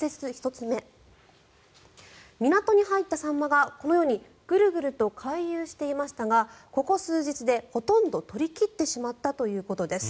１つ目港に入ったサンマが、このようにグルグルと回遊していましたがここ数日でほとんど取り切ってしまったということです。